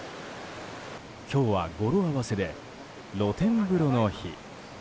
今日は語呂合わせで「ろてんぶろの日」。